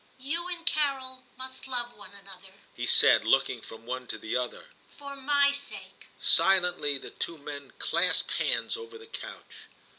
*You and Carol must love one another,' he said, looking from one to the other, * for my sake.' Silently the two men clasped hands Over the couch.